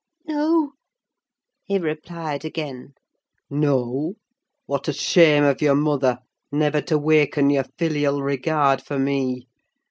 "No," he replied again. "No! What a shame of your mother, never to waken your filial regard for me!